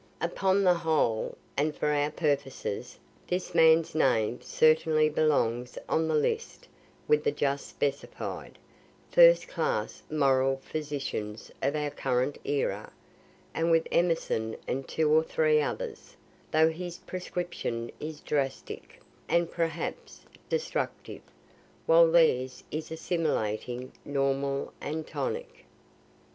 Upon the whole, and for our purposes, this man's name certainly belongs on the list with the just specified, first class moral physicians of our current era and with Emerson and two or three others though his prescription is drastic, and perhaps destructive, while theirs is assimilating, normal and tonic.